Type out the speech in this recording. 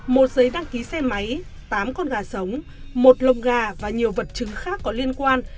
một giấy đăng ký xe máy tám con gà sống một lồng gà và nhiều vật chứng khác có liên quan